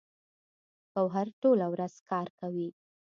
ګوهر ټوله ورځ کار کوي